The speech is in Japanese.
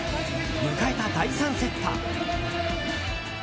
迎えた第３セット。